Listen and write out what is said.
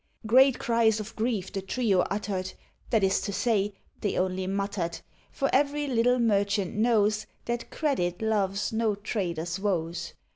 Great cries of grief the trio uttered, That is to say, they only muttered: For every little merchant knows That credit loves not traders' woes.